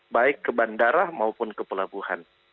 baik ke bandara maupun ke pelabuhan